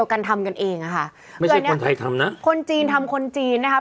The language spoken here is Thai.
กันทำกันเองอ่ะค่ะไม่ใช่คนไทยทำนะคนจีนทำคนจีนนะครับ